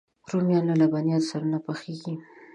رومیان له لبنیاتو سره نه پخېږي